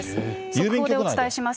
速報でお伝えします。